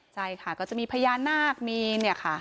ใช่ค่ะก็จะมีพญานาคมีเนี่ยค่ะ